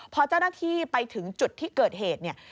พอเจ้าหน้าที่ไปถึงจุดที่เกิดเหตุเนี่ย